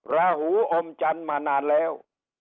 ราหูอมจันทร์มานานแล้ว